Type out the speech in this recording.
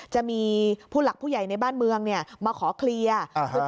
จะมีผู้หลักผู้ใหญ่ในบ้านเมืองมาขอเคลียร์